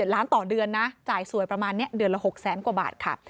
ล้านต่อเดือนนะจ่ายสวยประมาณนี้เดือนละ๖แสนกว่าบาทค่ะ